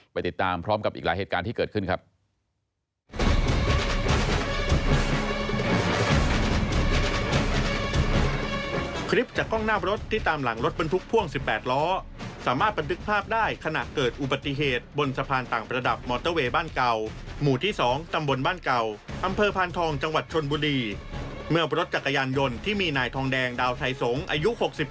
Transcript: ไปติดตามพร้อมกับอีกหลายเหตุการณ์ที่เกิดขึ้นครับ